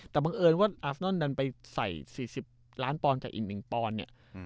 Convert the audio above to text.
แต่บังเอิญว่าอฟนอนไปใส่๔๐ล้านปอนจากอีนหนึ่งปอนด์เนี่ย